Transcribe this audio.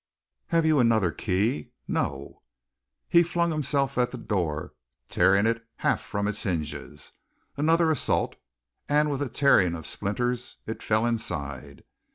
"Have you another key?" "No!" He flung himself at the door, tearing it half from its hinges. Another assault, and with a tearing of splinters it fell inside.